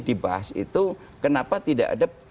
dibahas itu kenapa tidak ada